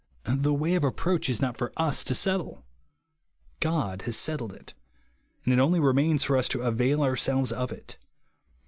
The way of approach is not for us to settle. God has settled it ; and it only remains for us to avail our selves of it.